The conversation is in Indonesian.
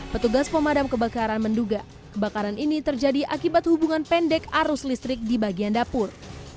petugas pemadam kebakaran menduga kebakaran ini terjadi akibat hubungan pendek arus listrik di bagian dapur